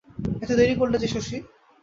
এত দেরি করলে যে শশী?